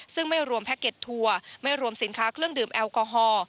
ซึ่งไม่รวมแพ็กเก็ตทัวร์ไม่รวมสินค้าเครื่องดื่มแอลกอฮอล์